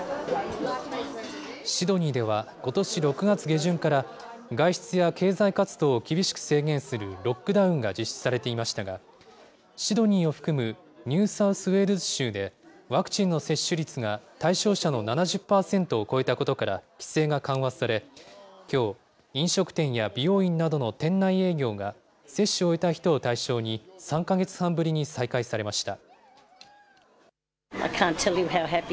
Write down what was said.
シドニーではことし６月下旬から、外出や経済活動を厳しく制限するロックダウンが実施されていましたが、シドニーを含むニューサウスウェールズ州で、ワクチンの接種率が対象者の７０％を超えたことから規制が緩和され、きょう、飲食店や美容院などの店内営業が、接種を終えた人を対象に、３か月半ぶりに再開されました。